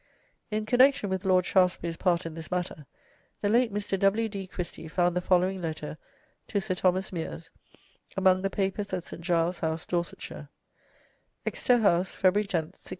In connection with Lord Shaftesbury's part in this matter, the late Mr. W. D. Christie found the following letter to Sir Thomas Meres among the papers at St. Giles's House, Dorsetshire: "Exeter House, February 10th, 1674.